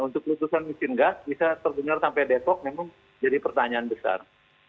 untuk letusan mesin gas bisa terdengar sampai depok memang jadi pertanyaan besar